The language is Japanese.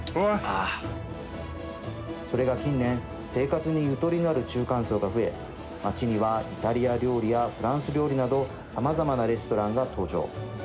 それが近年生活にゆとりのある中間層が増え街にはイタリア料理やフランス料理などさまざまなレストランが登場。